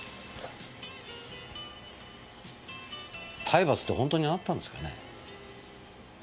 体罰ってホントにあったんですかねぇ？